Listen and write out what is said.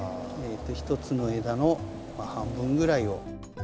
一つの枝の半分ぐらいを。